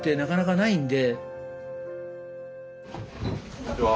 こんにちは。